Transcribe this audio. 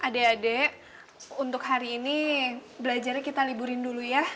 adik adik untuk hari ini belajarnya kita liburin dulu ya